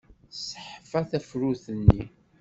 Tesseḥfa tafrut-nni.